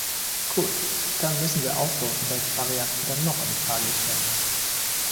Gut, dann müssen wir ausloten, welche Varianten dann noch in Frage kämen.